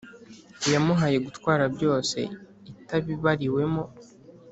Iyamuhaye gutwara byose itabibariwemo